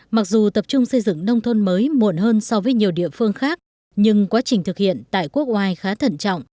mặc dù tập trung xây dựng nông thôn mới muộn hơn so với nhiều địa phương khác nhưng quá trình thực hiện tại quốc oai khá thận trọng